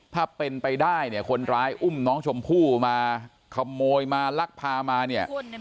ถ้าเป็นไปได้เนี่ยคนร้ายอุ้มน้องชมพู่มาขโมยมาลักพามาเนี่ย